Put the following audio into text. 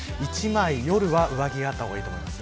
夜は１枚、上着があった方がいいと思います。